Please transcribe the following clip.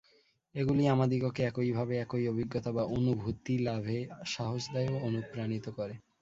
এগুলি আমাদিগকে একইভাবে একই অভিজ্ঞতা বা অনুভূতিলাভে সাহস দেয় ও অনুপ্রাণিত করে।